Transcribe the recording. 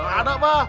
gak ada pak